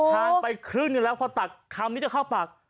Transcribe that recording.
ทานไปครึ่งหนึ่งแล้วพอตักคำนี้จะเข้าปาก